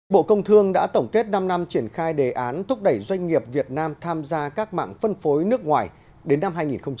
bộ công thương đã tổng kết năm năm triển khai đề án thúc đẩy doanh nghiệp việt nam tham gia các mạng phân phối nước ngoài đến năm hai nghìn hai mươi